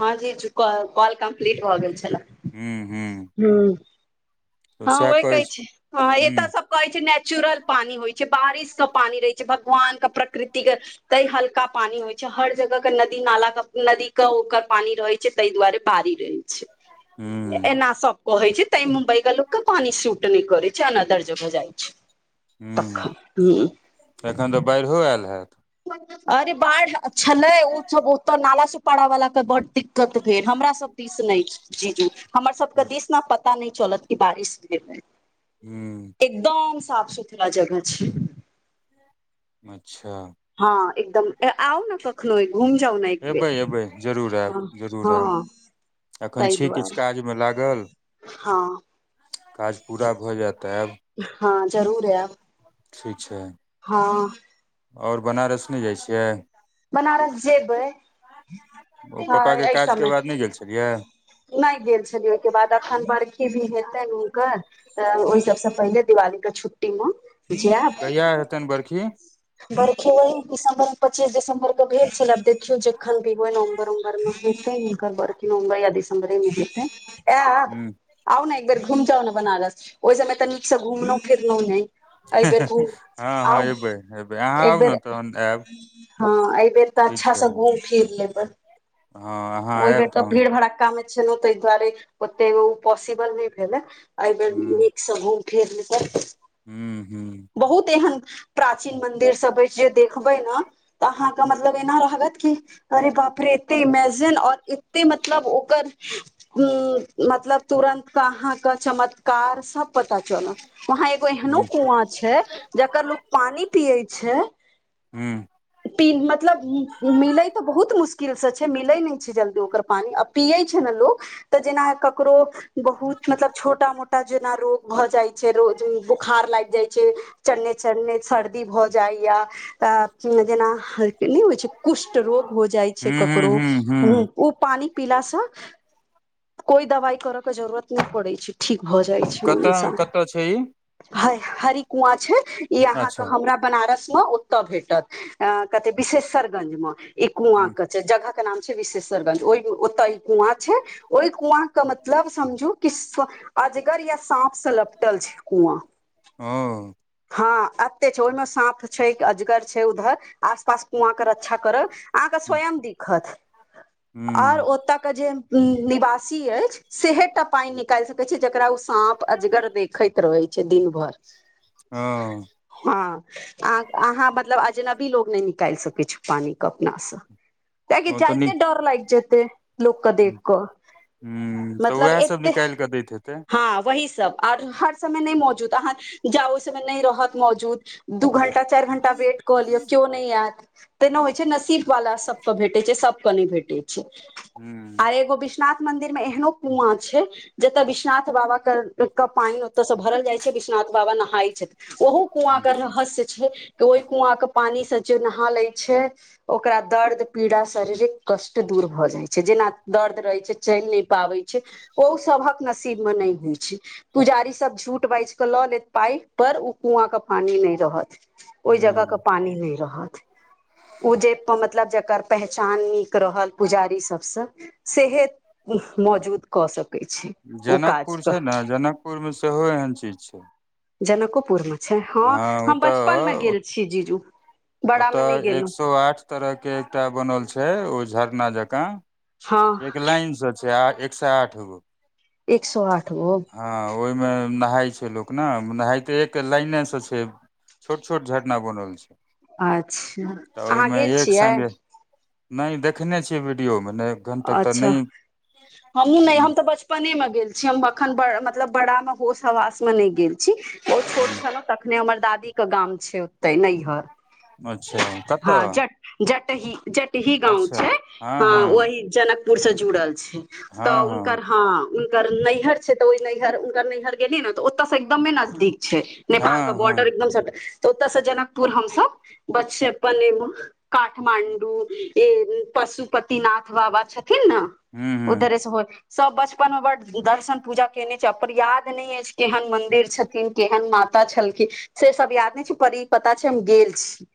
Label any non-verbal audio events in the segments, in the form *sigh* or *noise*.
हँ जी चुक कॉल कंप्लीट भ गेल छले हूँ हू हँ हँ ओह कहै छै ह एत हुं सब कहै छै नेचुरल पानी होइ छै बारिश के पानी रहै छै भगवान के प्रकृति के तय हल्का पानी होइ छै हर जगह के नदी नाला के नदी के ओकर पानी रहे ताहि दुआरे बारी रहै छै हुं एना सब कहै छै तै मुम्बई के लोक पानी सूट नहि करै छै अनदर जगह जाइ छै हुँ तखन ह एखन त बाईरहो आयल हैत अरे बाढ़ छलै ओ सब ओत नाला सुपारा वाला के बड दिक्कत भेल हमरा सब दि दिस नै छै हमर सबके दिस ने पता नहि चलत बारिश भेल हुँ एकदम साफ सुथरा जगह छै अच्छा हँ एकदम आउ न त कै घूम जाउ ने एक बेर एबै एबै जरूर ह आयब जरूर हँ आयब एखन तहि छी किछु दुआरे काजमे लागल हँ काज पूरा भ जायते आब हँ जरूर आब ठीक छै। हँ ओर बनारस नहि जाइ छियै? बनारस जेबै ओ ह पप्पाके काजके एसमयमे। बाद नहि गेल छलियै नहि गेल छलियै, ओहिके बाद एखन बरखी भी हेतनि हुनकर। तऽ ओहि सभसँ पहिने दिवालीक छुट्टीमे। जँ आब कहिया हेतनि बरखी बरखी *unintelligible* दिसम्बर पच्चीस दिसम्बर। घर भेल छल आब, देखि जखन भी नवम्बर उम्बरमे, हेयर नवम्बर यऽ। हमरी मिलतै आब हुं आउ ने एक बेर घूम जाउ ने बनारस, ओहि समय तऽ नीकसँ घुमलहुँ फिरलहुँ ने। ए बेर हँ हँ एबै एबै अहाँ एक आउ ने बेर। तहन आयब हँ, एहि बेर तऽ ठीक अच्छा छै सँ घूम फिर लेबै, हँ अहाँ ओहि आयब बेर तऽ तहन भीड़ भड़क्कामे। छलेलहुँ तऽ दुआरि ओते पसल नहि भेल, एहि बेर नीकसँ। फेर लत हू हू बहुत एहन प्राचीन मन्दिर सभ अछि, जे देखबै ने। तऽ अहाँके मतलब एना रहत की? अरे बाप रे, एतेक इमेजिन आ एतेक मतलब ओकर। हूँ, मतलब तुरन्त कहाँके चमत्कार सभ। पता चलल, ओतऽ एगो एहनहुँ हुं कूप अछि, जकर लोक पानि पिबै छै। हूँ मतलब, मिलै तऽ बहुत मुश्किलसँ छै, जल्दी नहि मिलै छै ओकर पानि। पिबै छै ने लोक तऽ, जेना ककरो। बहुत मतलब छोटा मोटा, जेना रोग भऽ जाइ छै, बुखार लागि जाइ छै। चन्ने चन्ने सर्दी भऽ जाइए, जेना। नहि होइ छै, कुष्ठ रोग भऽ जाइ छै हूँ हूँ हूँ ककरोहुँ। हूँ ओ पानि पीलासँ कोनो दवाइ करबाक जरूरत नहि पड़ै छै। ठीक भऽ जाइ छै। ओ कतऽ इंसान कतऽ छै ई हँ, हरी कुआँ छै ई अहाँके अच्छा हमरा बनारसमे ओतऽ भेटत। आ कतेक विश्वेश्वरगंजमे ई हूँ कूप अछि। जगहके नाम छै विश्वेश्वरगंज, ओतय ई कूप छै। ओहि कूपक मतलब बुझू कि अजगर या साँप सलप। टल छै कुआ ओ हँ, एते छै, ओहिमे साँप छै, अजगर छै उधर। आसपास कुआँके रक्षा करैत छथि। अहाँकेँ हूँ स्वयं देखत आओर हूँ ओतयके जे निवासी अछि सेहे टा पान ने। निकालि सकै छै जेकरा ओ साँप अजगर देखैत रहै छै दिन भर। हँ हँ अहाँ मतलब जेना ई लोक नहि निकालि सकै छै पानि अपने सँ, किएक तँ साँप ओ तऽ देखिकऽ नीक डर लागि जाइत छै। लोककेँ देख, मतलब एतय। कदैत हेतै हँ, वही सभ ओर हर समय नहि मौजूद अहाँ। जाउ, ओहि समयमे नहि रहत मौजूद, दू घंटा चारि घंटा वेट कऽ लिअ, केओ नहि अयत। तेना होइ छै, नसीबवाला सभकेँ भेटै छै, सभकेँ नहि भेटै छै, हूँ आओर एगो भी। विश्वनाथ मन्दिरमे एहनो कूप छै, जतऽ विश विश्वनाथ बाबाके पानि ओतऽसँ भरल जाइ छै, विश्वनाथ बाबा नहाइ छै ओहो। कुआँक रहस्य। ओहि कूपक पानिसँ जे नहा लैत छै, ओकर शारीरिक दर्द पीड़ा दूर भऽ जाइत छै। कष्ट दूर भऽ जाइ छै, जेना दर्द रहै छै, चलि नहि पाबै छै, ओ सभक। से नहि होइ छै। पुजारी सभ झूठ बाजि कऽ लऽ लेत पानि, मुदा ओ कूपक पानि नहि रहत। ओहि जगहके हूँ पानि नहि रहत। ओ जे, मतलब, जकर पहचान नीक रहल पुजारी सभसँ। सेहत मौजूद कऽ सकैत छी। जनकपुर छै, ने जनकपुरमे सेहो एहन चीज छै। जनकपुरमे छै हँ, हम बचपनमे गेल छियै, जीजू। बड़ामे नहि ओतऽ एक गेलहुँ सय आठ तरहक एकटा बनल छै, ओ झरना जकाँ। हँ एक लाइनसँ छै, एक सय आठ गो। एक सय आठ हो हँ, ओहिमे नहाइ छै लोक ने, नहाइ तऽ एक लाइनेसँ छै। छोट छोट झटना बनल छै। अच्छा तऽ अहाँ ओहिमे गेल एक छियै? संगे नहि देखने छियै वीडियोमे नहि। एखन तक तऽ अच्छा नहि हमहुँ नहि हम तऽ बच नेमे गेल छी हम, एखन मतलब बड़ा होश हवासमे नहि गेल छी, ओ छोट छल। तखने हमर दादीक गाम छै, ओतऽ नैहर। अच्छा कतऽ जटह जटही गाँव अच्छा छै, हँ आ ओ हँ जनकपुरसँ जुड़ल छै। तऽ उनक हँ हुनकर नैहर छै, तऽ ओ नैहर गेली ने, तऽ ओतयसँ एकदम नजदीक छै। हुनकर नैहर छै, तऽ हँ हँ ओ हँ नैहर गेली ने, तऽ ओतयसँ एकदम नजदीक छै। काठमांडूमे पशुपतिनाथ बाबा। छथिन ने, हूँ उधरहि सँ। सभ बचपनमे बड़ दर्शन पूजा केने छी, पर याद नहि अछि केहन मन्दिर छथिन। केहन माता छलखिन से सब याद नहि छै पर ई पता छै हम गेल छी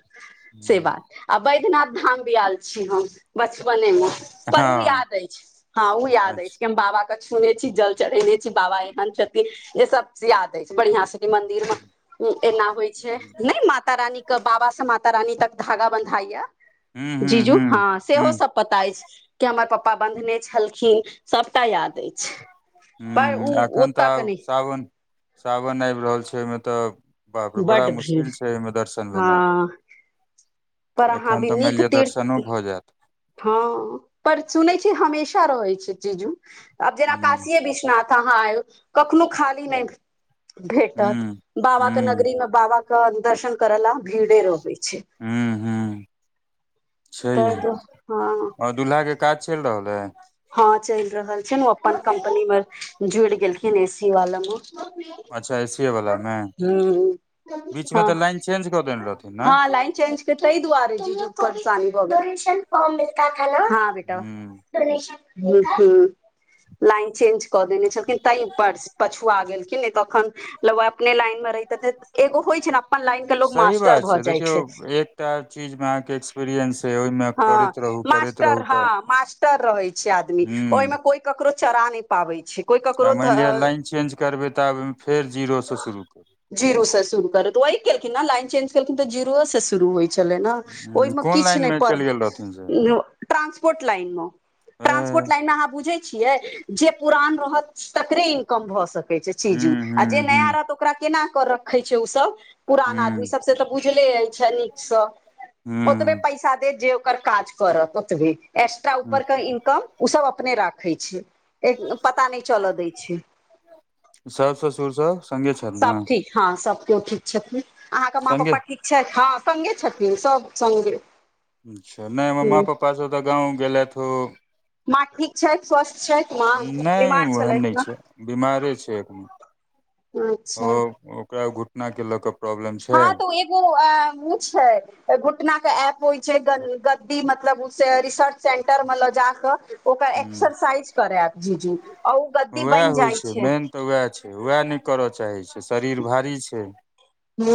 नही हँ, बैद्यनाथ धाम सेहो बचपनेमे गेल छी। पर उ हँ याद अछि हँ उ याद अछि अच्छा कि हम बाबा छूने छी, जल चढ़ेने छी बाबा। एहन छथिन जे सब याद अछि, बढ़िआँ से मन्दिर मे। एना होइ छै ने, माता रानीक सँ बाबा धरि खागा बन्हाइ? हूँ हूँ जीजू हूँ हँ सेहो हूँ सभ पता अछि के हमर पापा बन्हने छलखिन, सबटा याद अछि। दै छै, पर ओ हूँ एखन तऽ ओतऽ के आब नै सावन सावन आबि रहल छै ओहिमे तऽ बाप रे बड़ा बड्ड भीड़ मुश्किल छै ओहिमे दर्शन भेनाइ हँ पर अहाँ एखन भी तऽ मानि नीक लिअऽ, तीर्थ दर्शन भऽ जाएत हँ पर सुनै छी हमेशा रहै छै चीजू आब जेना ह्म काशीे विश्वनाथ हाँ आय कखनो खाली नहि भेटत ह्म बाबा के ह्म नगरी मे बाबा कऽ दर्शन करै ल। भीड़े रहबै छै। ह्म ह्म तैय दु आ दुल्हा के काज चलि रहल हइ हँ, चलि रहल छै ने। ओ अपन कम्पनीमे जुड़ि गेलखिन, एसी वाला मे। अच्छा एसीए वला मे हू बीच मे हां तऽ लाइन चेंज कऽ देने रहथिन ने हां लाइन चेंज तैय दुआरे ह्म हूँ, लाइन चेंज कऽ देने छलखिन तऽ पऽ। गेलखिन नहि, तखन लऽ अपने लाइनमे रहिते एगो होइ छै ने। अपन लाइन के लोग सही मास्टर बात भऽ छै, जाइ देखियौ एकटा चीजमे अहाँके एक्सपीरियंस छै, ओहिमे हँ करैत। रहू करैत मास्टर रहू हँ तऽ मास्टर रहै छै आदमी, ओहिमे ह्म कोइ ककरो चरा नैय। पाबै छै। कोइ आ ककरो मानि लिअ ध, लाइन चेंज करबै तऽ फेर जीरोसँ शुरू जीरो से शुर कर त वह केलखिन ने लाइन चेज केलखिन त जीरो से शुरू होइ छलै ने ओहि हम्म, मे कोन लाइन किछु नहि मे पर चलि गेल रहथिन से ट्रांसपोर्ट लाइन मे ट्रांसपोर्ट ह्म लाइनमे आहा बूझै छियै जे पुरान रहत तकरे इनकम भऽ सकैत छै चीजू जे ह्म नया ह्म रहत ओकरा केना कर रखे छै ओ सब पुरान आदमी ह्म सब से तऽ बुझले अछि नीकसँ ओतबे ह्म पैसा देत जे ओकर काज करत ओतबे एक्स्ट्रा ह्म ऊपर के इनकम ओ सब अपने राखे छै पता नहि चलऽ दैय छैय सास ससुर स सब ठीक हँ सभ केओ ठीक छथिन अहाँके माँ संगे पपा ठीक हँ सङ्गे छथिन सभ सङ्गे अच्छा नहि हमर माँ ह पप्पासभ तऽ गाँव गेलथि ओ माँ ठीक छथि स्वस्थ छथि माँ बीमार नहि ओहन छलैथ नहि मां छै बीमारे छै ओ अच्छा ओकरा घुटना कऽ लऽ कऽ प्रॉब्लम छै हँ त एक *inaudible* *unintelligible* घुटना के एप होइ छै ग गद्दी मतलब ओ रिसर्च सेंटर मे लऽ जा कऽ ओकर हूँ एक्सरसाइज करेब जी जी आ ओ गद्दी उएह बनि होइ जाइ छै मेन तऽ उएह छै उएह नहि करय चाहै छैय शरीर भारी छैय हू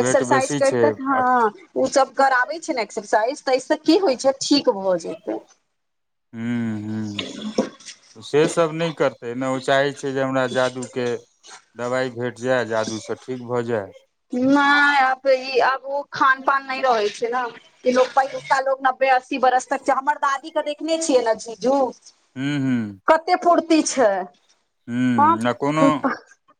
एक्सरसइज बेसी छै कैरथै हँ अठ- उ सब कराबै छै ने एक्सरसाइज त एहिसँ की होइ छैय ठीक भऽ जेते हू हू से सब नहि करतै न ओ चाहै छै जे हमरा जादूके दबाइ भेट जाय जादूसँ ठीक भऽ जाय नहि अब ई आब ओ खान पान नहि रहै छैय न कि लोक पहिलुक्का लोक नब्बे अस्सी बरस तक छै हमर दादी के देखने छियै ने झीझू हू हू कते फुर्ति छै ह हूँ आ कोनो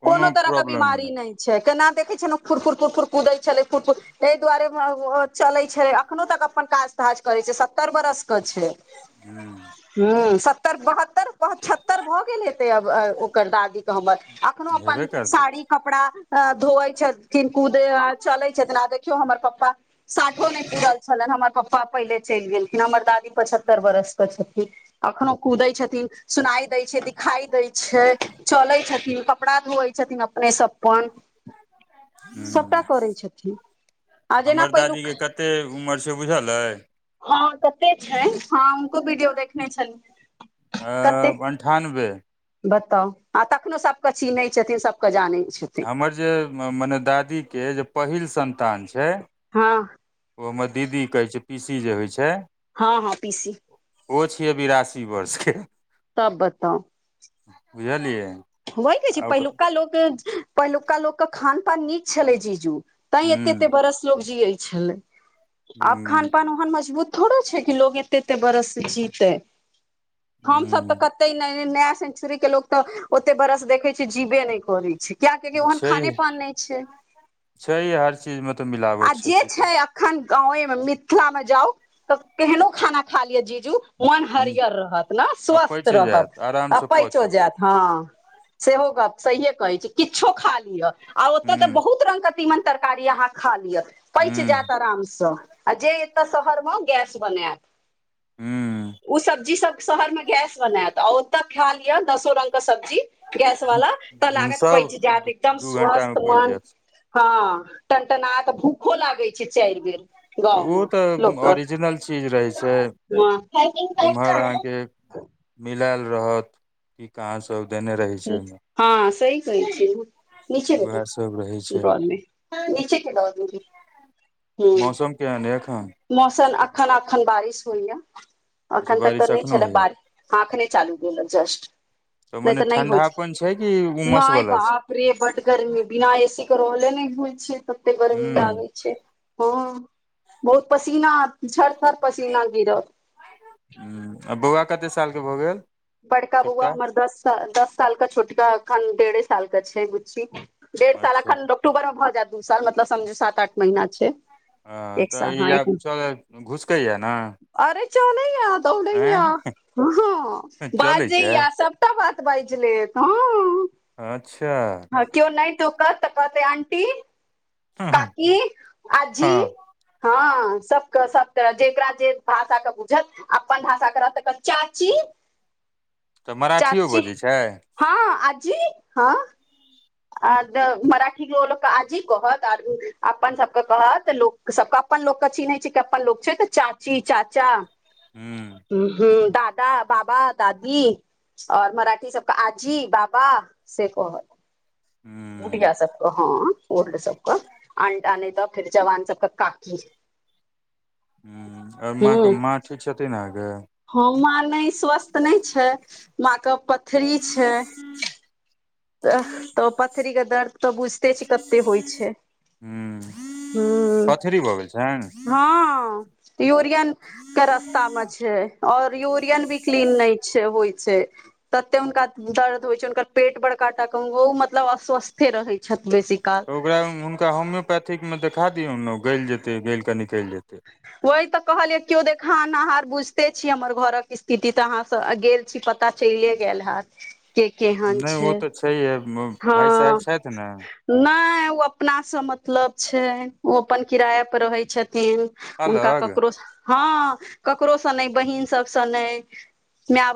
कोनो तरह के बीमारी नहि छै केना देखै छै न फुरफुर फुरफुर कुदै छलै फुरफुर तै दुवारे ओ चलै छै अखनो तक अपन काज ताज करै छै सत्तर बरसके छै *unintelligible* ह्म सत्तर बहत्तर पचहत्तर भऽ गेलै ते अब अ ओकर दादी क हमर अखनो हेबे अपन करतै साड़ी कपड़ा अ धोयै छै कि कुदे चले छथिन आ देखियौ हमर पप्पा साठो नहि पुरल छले हमर पप्पा प पहिले चैइल गेलखिन हमर दादी पचहत्तर बरस के छथिन अखनो कूदै छथिन सुनाई दै छै दिखाई दै छै चलै छथिन कपड़ा धोयै छथिन अपने स अपन सबटा हूँ करै छथिन आ जेना हमर दादीके पहिलुक कते उमर छै बुझल अइ हँ कते छै हँ हुनको वीडियो देखने छलियै कते अनठानबे बताउ आ तखनो सबके चीन्है छथिन सबके जानै छथिन हमर जे मने दादीके जे पहिल संतान छै हँ ओ हमर दीदी कहै छै पीसी जे होय छैय हँ हँ पीसी ओ छियै बिरासी वर्षके तब बताउ बुझलियै होइ के छै आ ओकर पहिलुका लोक पहिलुका लोक के खान पान नीक छलै जीजू तैं एते हूँ एते बरस लोक जियै छलै। आब खान हूँ पान ओहन मजबूत थोड़े छै। कि लोग एते एते बरस से जीतै। हम सभ तऽ हूँ कते नया सेंचुरी के लोक तऽ ओते बड़स देखै छी जीवे नहि करै छै। किएकि ओहन छै खानेपीने नहि छै छै हर चीजमे तऽ आ मिलावट जे की छै करतै अखन गावे मे मिथिला मे जाउ तऽ केहनो खाना खा लिअ जीजू। मन हूँ हरियर रहत ने आ स्वस्थ पचि रहत जायत आ आरामसँ पैचो पचत जायत हँ, सेहो गप से कहै छै किछो खा लिअ, आ ओतऽ तऽ हूँ बहुत रंगके चीज छै। तिमन तरकारी अहाँ खा लिअ पैच जायत हूँ आरामसँ आ जे एतऽ शहर मे गैस बनायत। हूँ उ सब्जी सभ शहर में गैस बनायत ओतऽ खाय लिय दसो रंग के सब्जी। गैस वाला तऽ लागत पैच सब जात एकदम दू घंटा मे स्वस्थ पचि मन जायत हँ टनटना तऽ भूखो लागै छै, चाइर बेर तऽ गाँव ओ मे तऽ लोक के ओरिजिनल चीज रहै छै। एम्हर अहाँके मिलैल रहत की? कहाँ सब देने रही? हँ सही कहै छियै नीचे में उएह सब रहै छै डॉल में, नीचे के कॉल में। मौसम केहन अइ एखन? मौसन अखन अखन बारिश होईए। अच्छा अखन तक तऽ बारिश नहि एखनो छलै होइया बरिष ह अखने चालू गेल जस्ट तऽ नहि मने तऽ नहि होइ ठंडापन छै? कि उमस नहि, वाला छै बाप रे! बड़ गर्मी छै, बिना एसी के रहले नहि होल छै, ततेक गर्मी हूं लागै। छै। हँ, बहुत पसीना झर थर पसीना गिरल। आ बौआ कते सालके भऽ गेल? बड़का बौआ छोटका हमर दस साल दस साल के छोटकाअखन डेढ़े साल के छै बुच्ची। डेढ़ साल अच्छा अखन अक्टूबर मे भऽ जायत दू साल मतलब समझ सात आठ महीना छै। ह एक तऽ साल ई हँ एक आब चलै घुसकैया ने? अरे, चलेए य दोरेया, आँय य चलै बाजे। छै सभटा बात बाज लेत ह अच्छा कोनो नहि, तू कहत तऽ कहतै आंटी, हँ काकी, आजी। हँ, सभके सभ त जेकरा जे भाषाके बुझत अपन आसा कर तकन चाची तऽ मराठियो चाची बजैए छै? हँ, आजी हँ। आ मराठी लोकके आजी कहत आर अपन सभके कहत लोक सभके अपन लोकके चीनहि छै, अपन लोक छै, तऽ चाची चाचा हू हू दादा बाबा दादी और मराठी सभके आजी बाबा से कहत हँ *unintelligible* बुढ़िया सभके हँ उल सभके फेर जवान सभके काकी माँ के माँ ठीक छथिन अहाँके? ह माँ नहि स्वस्थ नहि छै। माँ के पथरी छै। हू तऽ पथरी के दर्द तऽ बुझते छै। कते होइ छै। ह हूँ पथरी भऽ गेल छ? हँ यूरियन के रास्ता मे छै, और यूरियन भी क्लीन नहि छै। होइ छै तते हुनका दर्द होइ छै हुनकर पेट बड़काटा के ओ मतलब अस्वस्थे रहै छथि बेसी काल तऽ ओकरा हुनका होम्योपैथिक मे देखा दियौ न गैल जेतै गैल कऽ निकैल जेतै वह तऽ कहलियै केउ देखानहाँर बुझते छीय हमर घरक स्थिति तऽ आहाँ सब गेल छी पता चैले गेल हैत *inaudible* के केहन छै छैे भाइ साहेब छैथ न नाइ ओ अपना से मतलब छै ओ अपन किराय पर रहै छथिन हनका अलग ककरो हँ ककरो नहि बहिन सब नहि मेय बाप